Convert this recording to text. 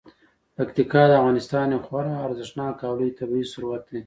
پکتیکا د افغانستان یو خورا ارزښتناک او لوی طبعي ثروت دی.